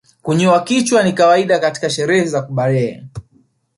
Kunyoa kichwa ni kawaida katika sherehe za kubalehe